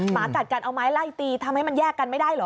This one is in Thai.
หมากัดกันเอาไม้ไล่ตีทำให้มันแยกกันไม่ได้เหรอ